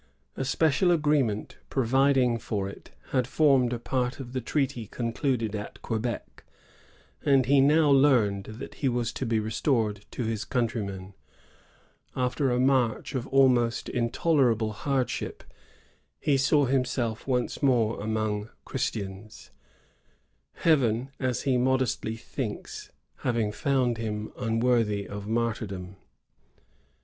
A special agreement providing for it had formed a part of the treaty concluded at Quebec ; and he now learned that he was to be restored to his countrymen. After a march of almost intolerable hardship, he saw himself once more among Christians, Heaven, a^ he modestly thmks, having found him unworthy of martyrdom.